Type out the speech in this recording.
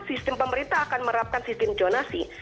sistem pemerintah akan merapkan sistem jonasi